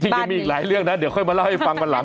ยังมีอีกหลายเรื่องนะเดี๋ยวค่อยมาเล่าให้ฟังวันหลัง